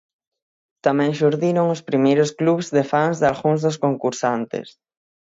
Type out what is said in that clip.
Tamén xurdiron os primeiros clubs de fans dalgúns dos concursantes.